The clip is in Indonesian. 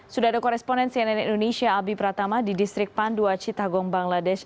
sudah ada koresponen cnn indonesia albi pratama di distrik pandua citagong bangladesh